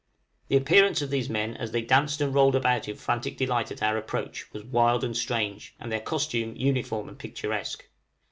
The appearance of these men, as they danced and rolled about in frantic delight at our approach, was wild and strange, and their costume uniform and picturesque.